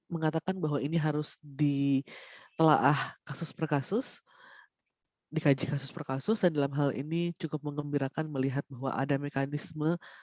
mengatakan bahwa ini harus ditelah kasus per kasus dikaji kasus per kasus dan dalam hal ini cukup mengembirakan melihat bahwa ada mekanisme